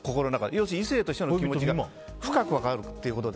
要するに異性としての気持ちが深く関わるということで。